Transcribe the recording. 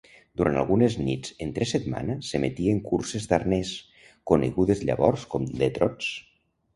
Durant algunes nits entre setmana s'emetien curses d'arnès, conegudes llavors com "the trots".